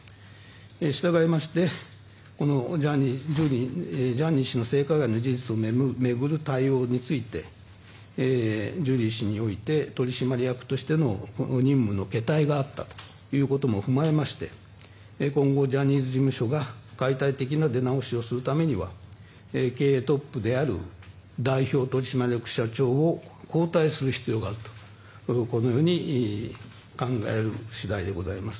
従いまして、ジャニー氏の性加害の事実を巡る対応についてジュリー氏において取締役としての任務の懈怠があったということも踏まえまして今後、ジャニーズ事務所が解体的な出直しをするためには経営トップである代表取締役社長を交代する必要があると考える次第でございます。